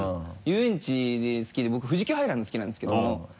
遊園地好きで僕「富士急ハイランド」好きなんですけど。